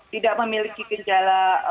tidak memiliki pinjala